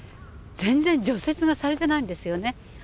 全然除雪がされてないんですよね。